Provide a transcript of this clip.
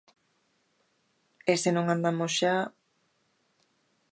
E se non andamos xa...